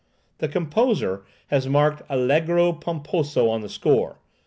The composer has marked allergo pomposo on the score.